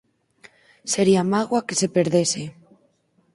Sería mágoa que se perdese.